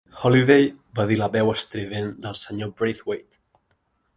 "Holliday", va dir la veu estrident del senyor Braithwaite.